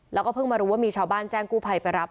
แล้วก็เพิ่งมารู้ว่ามีชาวบ้านแจ้งกู้ภัยไปรับ